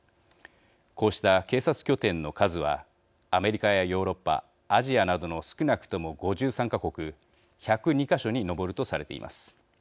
こうした警察拠点の数はアメリカやヨーロッパアジアなどの少なくとも５３か国１０２か所に上るとされています。